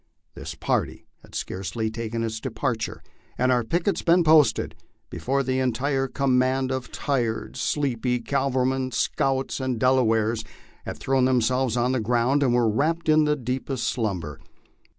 This party had scarcely taken its departure and our pickets been posted, before the entire command of tired, sleepy cavalrymen, scouts, and Delawares had thrown themselves on the ground and were wrapped in the deepest slumber.